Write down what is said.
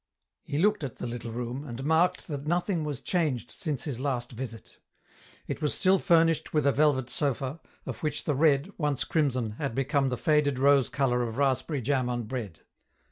He looked at the little room, and markea that notnmg was changed since his last visit. It was still furnished with a velvet sofa, of which the red, once crimson, had become the faded rose colour of raspberry jam on bread.